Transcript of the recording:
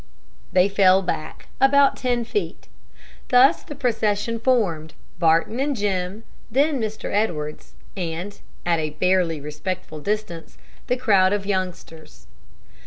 They fell back about ten feet. Thus the procession formed: Barton and Jim, then Mr. Edwards, and at a barely respectful distance the crowd of youngsters.